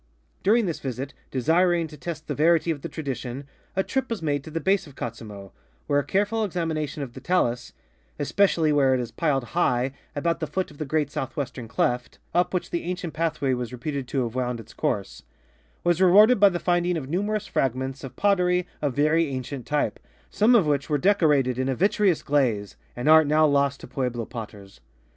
During this visit, desiring to test the verity of the tradition, a trip was made to the base of Katzimo, where a careful examination of the talus (especially where it is piled high about the foot of the great southwestern cleft (PL 32, 33) up which the ancient pathway was reputed to have wound its course) was rewarded by the finding of numerous fragments of pottery of very ancient type, some of which were decorated in a vitreous glaze, an art now lost to Pueblo potters.